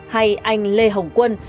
hay anh lê hồng quân